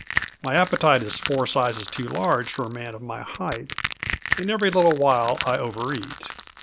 My appetite is four sizes too large for a man of my height, and every little while I overeat.